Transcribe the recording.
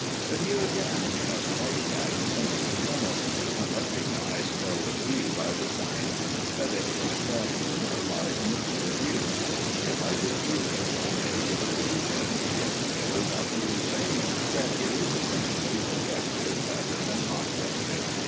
But here again we must hark back to the major premise, unrecognized though it be by the science of Æsthetic, that humour lies in the point of view. If I could prove it by mere iteration it would go without further saying that it is essentially subjective rather than objective.